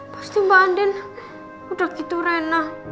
pasti mbak andin udah gitu rena